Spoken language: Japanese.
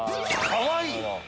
「かわいい」